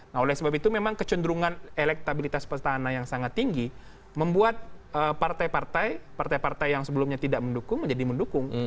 nah oleh sebab itu memang kecenderungan elektabilitas petahana yang sangat tinggi membuat partai partai partai yang sebelumnya tidak mendukung menjadi mendukung